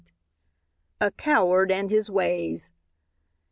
A COWARD AND HIS WAYS.